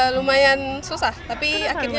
lumayan susah tapi akhirnya